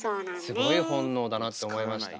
すごい本能だなって思いました。